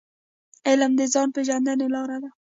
علم د ځان پېژندني لار ده.